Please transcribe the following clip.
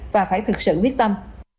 và phải thực sự viết tâm